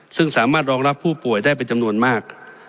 ซึ่งสามารถรองรับผู้ป่วยได้เป็นจำนวนมาก